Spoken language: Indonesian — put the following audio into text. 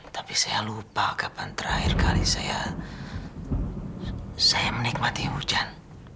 tapi saya lupa kapan terakhir kali saya menikmati hujan